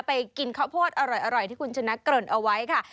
ไปกินข้าวโพดอร่อยที่คุณชนะเกริ่นเอาไว้ค่ะ